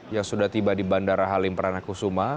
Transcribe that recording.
yang sudah tiba di bandara halim peranakusuma